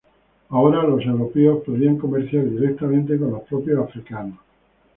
Ahora los europeos podían comerciar directamente con los propios africanos.